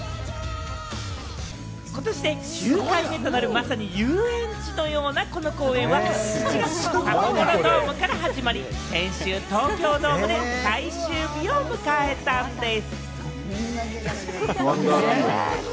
ことしで９回目となるまさに遊園地のようなこの公演は、７月の札幌ドームから始まり、先週、東京ドームで最終日を迎えたんでぃす。